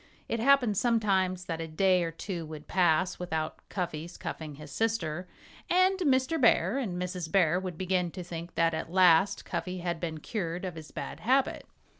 It happened sometimes that a day or two would pass without Cuffy's cuffing his sister. And Mr. Bear and Mrs. Bear would begin to think that at last Cuffy had been cured of his bad habit.